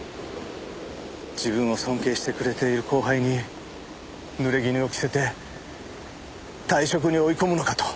自分を尊敬してくれている後輩に濡れ衣を着せて退職に追い込むのかと。